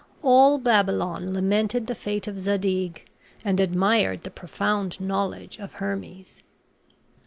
All Babylon lamented the fate of Zadig, and admired the profound knowledge of Hermes.